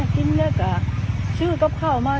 ชีวิตลอดคุณชายเนอะ